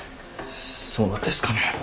そうなんですかね。